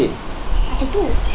áo chiến thủ